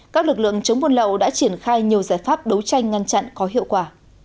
các lực lượng chống buôn lậu đã triển khai nhiều giải pháp đấu tranh ngăn chặn có hiệu quả